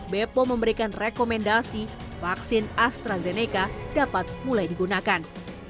bepom memberikan rekomendasi vaksin astrazeneca dapat mulai digunakan